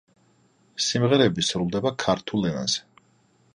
სიმღერები სრულდება ქართულ ენაზე.